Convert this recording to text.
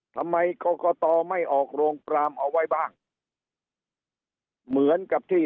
ทำไมกรกตไม่ออกโรงปรามเอาไว้บ้างเหมือนกับที่